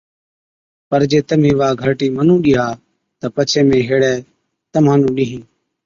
پَر جي تمهِين وا گھرٽِي مُنُون ڏِيها تہ پڇي مين هيڙَي تمهان نُون ڏِيهِين۔